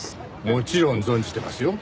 もちろん存じてますよ。